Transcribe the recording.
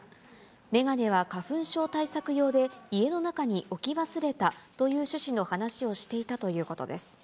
眼鏡は花粉症対策用で家の中に置き忘れたという趣旨の話をしていたということです。